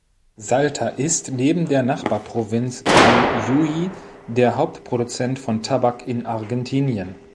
Salta ist, neben der Nachbarprovinz Jujuy, der Hauptproduzent von Tabak in Argentinien.